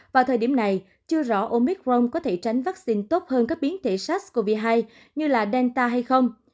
vào thời điểm này chưa rõ omicron có thể tránh vaccine tốt hơn các biến thể sars cov hai như là delta hay không